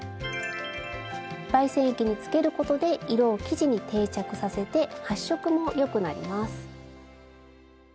媒染液につけることで色を生地に定着させて発色もよくなります。